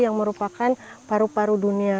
yang merupakan paru paru dunia